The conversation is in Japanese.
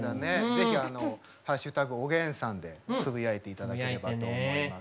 是非「＃おげんさん」でつぶやいていただければと思います。